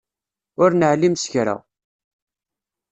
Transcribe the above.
Ur neεlim s kra.